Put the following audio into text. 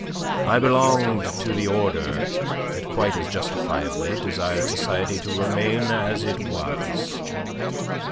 I belonged to the order that quite as justifiably desired society to remain as it was.